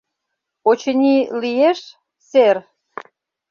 Очыни, лиеш, сэр?